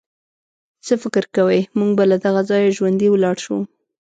څه فکر کوئ، موږ به له دغه ځایه ژوندي ولاړ شو.